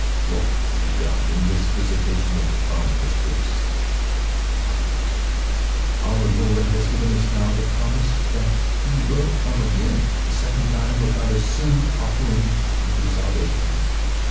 Glory be to God for this visitation of boundless grace ! What next ? Our Lord has given us now the promise that he will "come again a second time without a sin offering unto salvation.